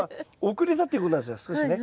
遅れたっていうことなんですよ少しね。